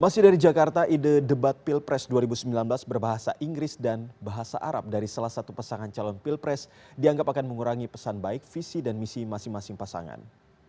masih dari jakarta ide debat pilpres dua ribu sembilan belas berbahasa inggris dan bahasa arab dari salah satu pasangan calon pilpres dianggap akan mengurangi pesan baik visi dan misi masing masing pasangan